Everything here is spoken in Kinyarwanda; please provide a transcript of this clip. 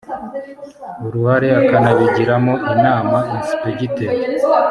uruhare akanabigiramo inama ensipegiteri